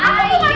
aku bukan malin